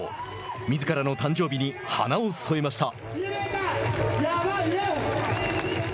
みずからの誕生日に花を添えました。